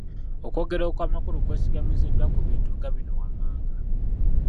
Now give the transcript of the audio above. Okwogera okw'amakulu kwesigamiziddwa ku bintu nga bino wammanga: